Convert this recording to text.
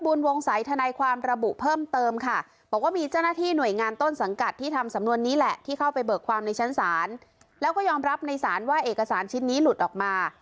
ทนายความระบุเพิ่มเติมค่ะบอกว่ามีเจ้าหน้าที่หน่วยงานต้นสังกัดที่ทำสำนวนนี้แหละที่เข้าไปเบิกความในชั้นศาลแล้วก็ยอมรับในศาลว่าเอกสารชิ้นนี้หลุดออกมา